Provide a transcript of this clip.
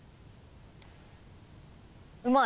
うまい。